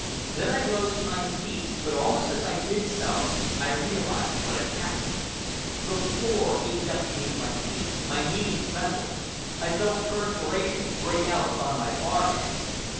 Then I rose to my feet, but almost as I did so, I realized what had happened. The floor heaved up beneath my feet, my knees trembled, I felt the perspiration break out upon my forehead.